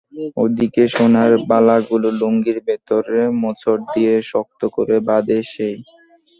ওদিকে সোনার বালাগুলো লুঙ্গির ভেতর মোচড় দিয়ে শক্ত করে বাঁধে সে।